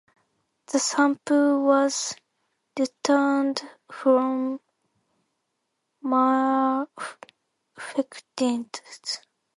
The sample was returned from Mare Fecunditatis.